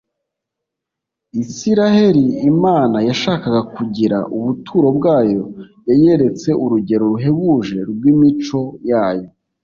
, Isiraheli Imana yashakaga kugira ubuturo bwayo, yayeretse urugero ruhebuje rw’imico Yayo.